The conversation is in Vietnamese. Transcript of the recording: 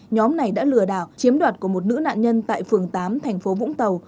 nhóm này đã lừa đảo chiếm đoạt của một nữ nạn nhân tại phường tám thành phố vũng tàu